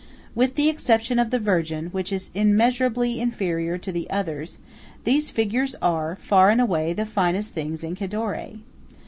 With the exception of the Virgin, which is immeasurably inferior to the others, these figures are, far and away, the finest things in Cadore.